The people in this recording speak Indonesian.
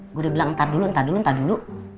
gue udah bilang entar dulu entar dulu entar dulu